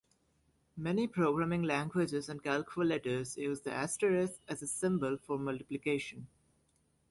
Many programming languages and calculators use the asterisk as a symbol for multiplication.